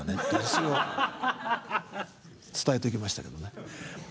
それを伝えておきましたけどね。